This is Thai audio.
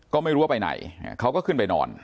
ก็ไม่รู้ว่าไปไหนเขาก็ขึ้นไปนอน